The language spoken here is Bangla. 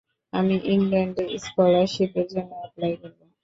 আমি ইংল্যান্ডে স্কলারশিপের জন্যও অ্যাপ্লাই করবো।